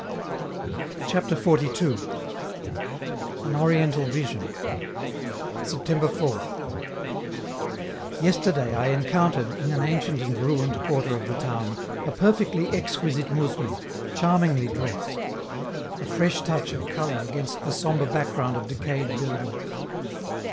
CHAPTER XLII. AN ORIENTAL VISION September 4th. Yesterday I encountered, in an ancient and ruined quarter of the town, a perfectly exquisite mousme, charmingly dressed; a fresh touch of color against the sombre background of decayed buildings.